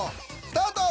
スタート！